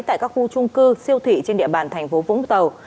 tại các khu trung cư siêu thị trên địa bàn thành phố vũng tàu